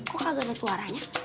kok kagak ada suaranya